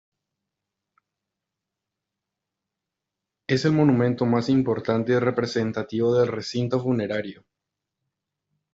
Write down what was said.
Es el monumento más importante y representativo del recinto funerario.